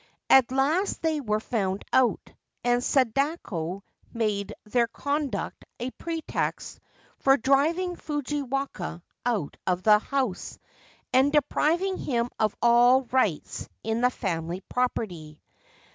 At last they were found out, and Sadako made their conduct a pretext for driving Fujiwaka out of the house and depriving him of all rights in the family property.